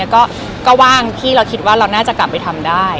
ก็ว่าว่าคิดแล้วจะกลับไปทำได้